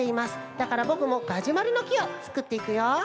だからぼくもガジュマルのきをつくっていくよ。